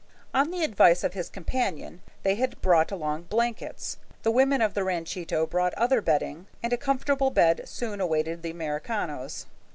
On the advice of his companion they had brought along blankets. The women of the ranchito brought other bedding, and a comfortable bed soon awaited the Americanos.